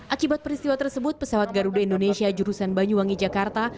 akibat peristiwa tersebut pesawat garuda indonesia jurusan banyuwangi jakarta